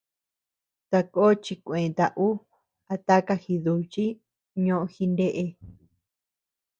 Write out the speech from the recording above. Taka chikueta ú a taka jiduchiy ñoʼo jindeʼe.